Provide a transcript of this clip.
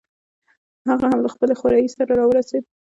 هغه هم له خپل خوریي سره راورسېد.